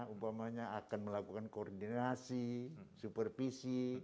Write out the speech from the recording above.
umpamanya akan melakukan koordinasi supervisi